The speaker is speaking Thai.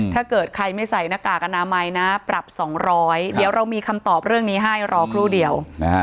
ถ้าเกิดใครไม่ใส่หน้ากากอนามัยนะปรับ๒๐๐เดี๋ยวเรามีคำตอบเรื่องนี้ให้รอครู่เดียว